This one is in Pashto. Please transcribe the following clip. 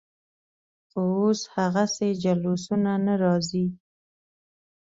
خو اوس هغسې جلوسونه نه راځي.